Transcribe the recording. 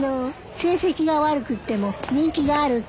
成績が悪くても人気があるって。